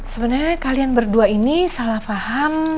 sebenarnya kalian berdua ini salah paham